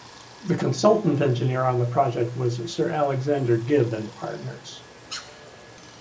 The consultant engineer on the project was Sir Alexander Gibb and Partners.